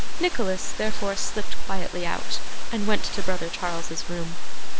Nicholas therefore slipped quietly out, and went to brother Charles's room.